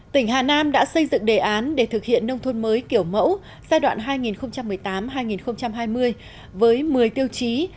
tỉnh hà nam đã xây dựng đề án để thực hiện nông thôn mới kiểu mẫu giai đoạn hai nghìn một mươi tám hai nghìn hai mươi với một mươi tiêu chí